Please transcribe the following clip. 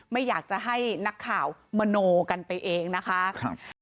ไม่อยากจะให้นักข่าวมโนกันไปเองนะคะ